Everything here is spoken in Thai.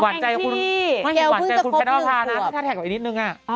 แก่วเพิ่งจะโภบปืนแล้วอยู่ว่าไก่หวาใช่คุณแพทต์ธาตุภารพานะถ้าแท็กไว้นิดนึงอ่ะ